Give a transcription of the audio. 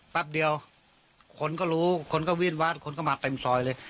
แป๊บเดียวคนก็รู้คนก็วิ่นวาดคนก็มาเต็มซอยเลย